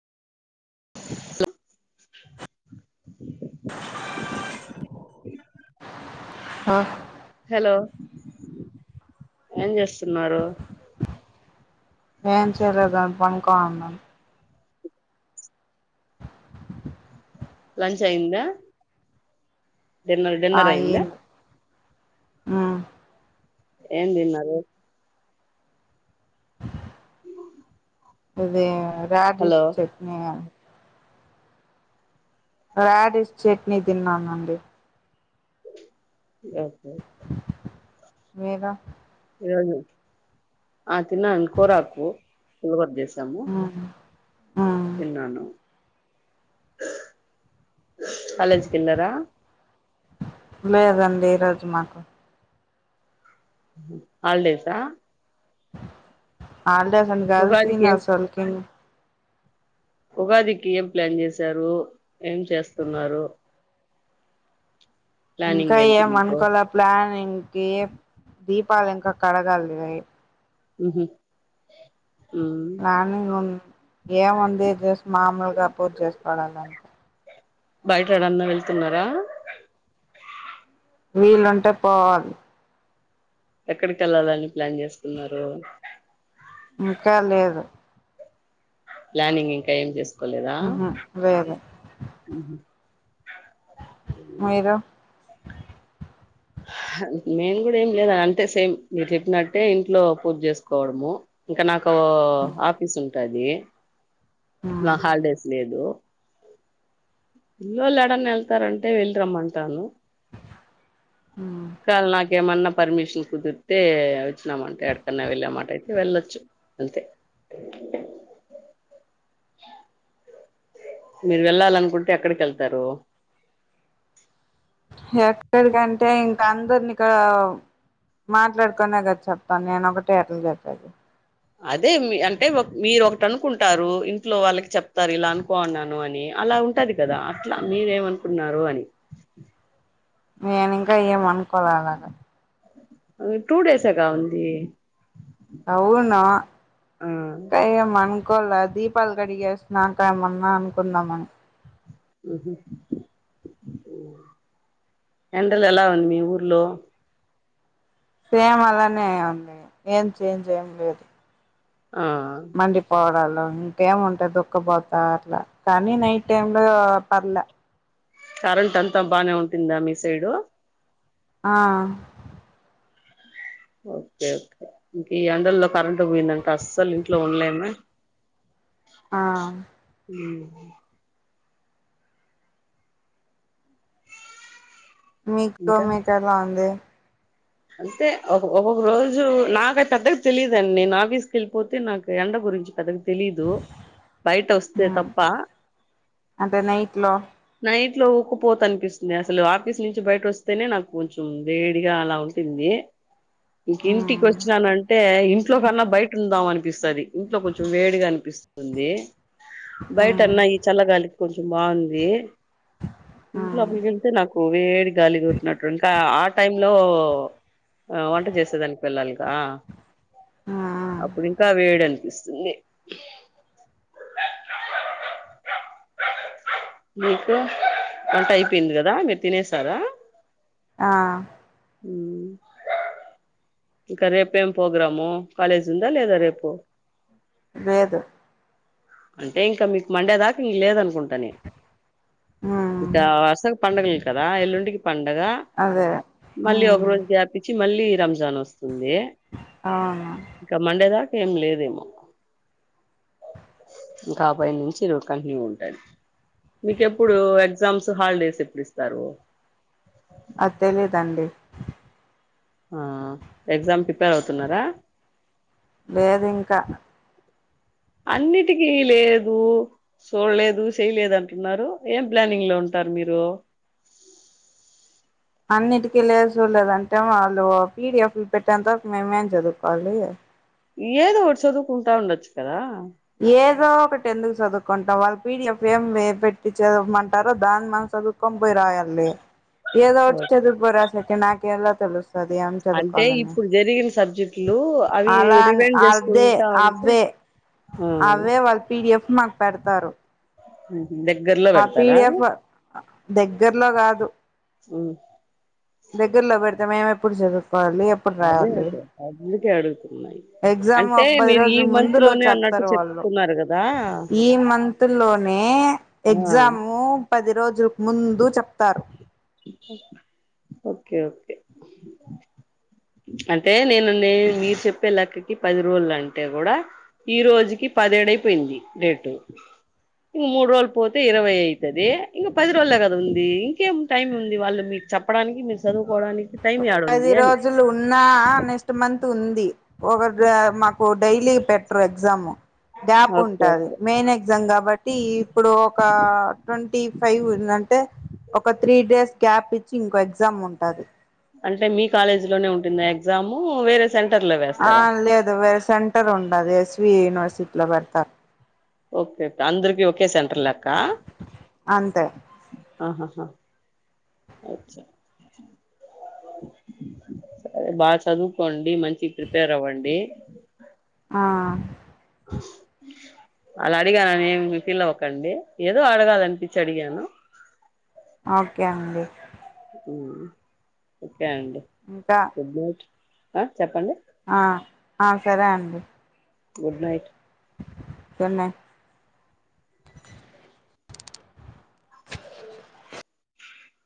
[inaudible] ఆ హలో ఏం చేస్తున్నారు ఏం చేయలేదండి పండుకొని ఉన్నాను లంచ్ అయ్యిందా డిన్నర్ డిన్నర్ అయిందా ఏంది ఆ ఏం తిన్నారు ఇది hello radish chutney radish chutney తిన్నానండి ఒకే ఒకే మీరు ఇ రోజు ఆ తిన్నానండి కోరకు పులిహార చేసుకునీ ఆ తిన్నాను కాలేజ్ కి వెళ్ళారా లేదండి ఈరోజు మాకు హల్డేసా హాలిడేస్ అని కాదు ఉగాదికి ఏం సీనియర్స్ వాళ్ళకి ఉగాదికి ఏం ప్లాన్ చేసారు ఏం చేస్తున్నారు ఇంకా ప్లానింగ్ ఏంటి ఏం మీకు అనుకోల ప్లాన్ ఇంక దీ దీపాలు ఇంకా కడగాలి ఉహు ఉమ్ ప్లానింగ్ ఏముంది జస్ట్ మామూలుగా పూజ చేసుకోడాలింతే బయటడన్నా వెళ్తున్నారా వీలుంటే పోవాలి ఎక్కడికి వెళ్ళాలని ప్లాన్ చేసుకున్నారు ఇంకా లేదు ప్లానింగ్ ఇంకా ఏం చేసుకోలేదా లేదు ఉహు మీరు [inaudible] మేము కూడా ఏం లేదు అంతే సేమ్ మీరు చెప్పినట్టే ఇంట్లో పూజ చేసుకోవడము ఇంక నాకు కు ఆఫీస్ ఉంటాది నా హాలిడేస్ లేదు పిల్లొల్లు ఏడన్నా వెళ్తారంటే వెళ్ళిరమ్మంటాను కల్ నాకు ఏమన్న పర్మిషన్ కుదిరితే వచ్చినామాట ఎక్కడకన్నా వెళ్ళమాట అయితే వెళ్ళొచ్చు వెళ్తే మీరు వెళ్ళాలనుకుంటే ఎక్కడికి వెళ్తారు ఎక్కడికంటే ఈ అందరిని ఇక్కడ మాట్లాడుకునే కదా చెపను నేను ఒకటే ఎట్ల చెప్పేది అదే మీ అంటే మీరు ఒకటి అనుకుంటారు ఇంట్లో వాళ్ళకి చెప్తారు ఇలా అనుకోన్నాను అని అలా ఉంటది కదా అట్లా మీరేమనుకున్నారు అని మేము ఇంకా ఏం అనుకోల అలాగ టుడేస్ ఎగా ఉంది అవును ఆ కానీ ఏం కొల్లా దీపాలు కడిగేసినాక ఏమన్నా అనుకున్నామ్ మనం. ఉహు. ఎండలు ఎలా ఉంది మీ ఊర్లో. సేమ్ అలానే ఉంది ఏం చేంజ్ ఏం లేదు. ఆ అంటి పౌడర్ ఇంకేముంటది ఉక్కపోతా అట్లా కానీ నైట్ టైమ్ లో పర్ల కరెంట్ అంతా బానే ఉంట్టిందా మీ సైడు. ఆ. ఓకే ఓకే ఇంక ఈ ఎండల్లో కరెంట్ పోయిందంటే అస్సలు ఇంట్లో ఉండలేమే. ఆ. మీకు ఇంకా మీకేల ఉంది. అంతే ఒ ఒక్కొక్క రోజు నాక అయి పెద్ద తెలియదుండి నేను ఆఫీస్ క వెళ్ళిపోతే నాకు ఎండ గురించి పెద్దగ తెలీదు బయట వస్తే తప్ప. నైట్లో. ఇంట్లో లో ఉక్కుపోత అనిపిస్తుంది అసలు ఆఫీస్ నుంచి బయట వస్తేనే నాకు కొంచెం వేడిగా అలా ఉన్ తింది ఇంక ఇంటికి ఉమ్ వచ్చినానంటే, ఇంట్లో కన్నా బయట ఉందాం అనిపిస్తది, ఇంట్లో కొంచెం వేడిగా అనిపిస్ ఉంది బయట ఉమ్ అన్నా ఈ చల్లగాలికి కొంచెం బావుంది ఇంటి ఉమ్ లోపల్ కెళ్తే నాకు వేడి గాలి గోట్నట్టు ఉంటా ఆ టైం లో ఆ వంట చేసేదానికి వెళ్ళలిగా ఆ ఉమ్ అప్పుడు ఇంకా వేడి ఆన్ పిస్తుంది. మీకు. వంట అయిపోయింది కదా మీరు తినేసారా. ఆ ఉమ్ ఇంకా రేపు ఎమ్ ప్రొగ్రాము కాలేజ్ ఉందా లేదా రేపు. లేదు. అంటే ఇంకా మీకు మండే దాకా ఇంగ లేదన్ కుంట ని ఉమ్ ఇక వర్సగ పండగలు కదా ఎల్లుండికి పండగ అదే మళ్ళీ ఒక ఉమ్ రోజు గ్యాప్ ఇచ్చి మళ్ళీ రంజాన్ వస్ ంది అవును ఇంకా మండే దాకా ఏం లేదేమో. ఇంకా పై నుంచి కంటిన్యూ ఉంటాయి మీకేప్పుడు ఎగ్జామ్స్ హాలిడేస్ ఎప్పుడు ఇస్తారు. అది తెలిదండి. ఆ ఎగ్జామ్ ప్రిపేర్ అవుతున్నారా. లేదు ఇంకా. అన్నిటికీ లేదు చూడలేదు చేయలేదు అంటున్నారు ఏం ప్లానింగ్ లో ఉంటా. టారు మీరు. అన్నింటి లేదు సూలేదంటే వాళ్ళు పీడిఎఫ్ లు పెట్టేంత వరకు మేమేం చదువుకోవాలి. ఏదో ఒటి సదువుకుంటా ఉండొచ్చు కదా. ఏదో ఒకటి ఎందుకు చదువుకుంటావ్ వాళ్ పీడి య ఫ్ ఏం ఎ పెట్టి చదవమంటారో దాని మన చదువుకొని బోయ్ రాయాల్లే. ఏదో ఒకటి చదు పో రాసకి నాకు ఎలా తెలుస్ అంటే ఇప్పుడు జరిగిన సబ్జెక్టులు, అవి అలా అని రివైన్ అదే చేసుకుంటా ఉంటే. అవే ఆ అవే వాళ్ళు పిడిఎఫ్ మాకు పెడతారు. ఓహో దగ్గర్లో ఆ పెడతారా పీడిఎఫ్ దగ్గరలో కాదు ఉ దగ్గరలో పెడితే మేము ఎప్పుడు చదువుతా అదే అదే అకడుకున్నాయి ఎగ్జామ్ ఒక పది రోజుల ముందు రోజు అన్నట్టు చేస్తారు వాళ్ళు చెప్తున్నారు కదా ఈ మంత్ లోనే ఆ! ఎగ్జాము పది రోజులు ముందు చెప్తారు ఓకే ఓకే అంటే నేను న మీరు చెప్పే లెక్కకి పది రోజులు అంటే కూడా ఈ రోజుకి పది ఏడ్ అయిపోయింది డేటు ఇక మూడు రోజులు పోతే ఇరవై అవుతుది ఇంకా పది వళ్ళ కదా ఉంది ఇంకేం టైం ఉంది వాళ్ళు మీకు చెప్పడానికి మీరు చదువు పది రోజులు ఉన్నా నెక్స్ట్ మంత్ ఉంది ఒక మాకు డైలీ పెట్టరు ఎగ్జాము గ్యాప్ ఓకే. ఉంటది ఓకే. మెయిన్ ఎగ్జామ్ కాబట్టి ఇప్పుడు ఒక ట్వంటీ ఫైవ్ ఉ అంటే ఒక త్రీ డేస్ గ్యాప్ ఇచ్చి ఇంకో ఎగ్జామ్ ఉంటంది అంటే మీ కాలేజీ లోనే ఉంటుంది ఎగ్జామ్ వేరే సెంటర్‌లో ఆ వేస్తారా? లేదు వేరే సెంటర్ ఉండదు ఎస్వి యూనివర్సిటీ లో పెడతారు ఓకే అందరికి ఓకే సెంటర్లక్క అంతే ఆహాహా సరే బాగా చదువుకోండి మంచి ప్రిపేర్ అవ్వండి ఆ అళ్లా అడిగానుని ఏమి మీ ఫీల్ అవ్వకండి ఏదో అడగాల అనిపించి అడిగాను ఓకే అండి ఒకే అండి ఇంకా గుడ్ నైట్ చెప్పండి ఆ ఆ సరే అండి గుడ్ నైట్ గుడ్ నైట్